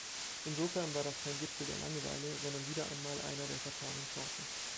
Insofern war das kein Gipfel der Langeweile, sondern wieder einmal einer der vertanen Chance.